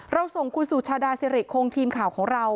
ส่งคุณสุชาดาสิริคงทีมข่าวของเรา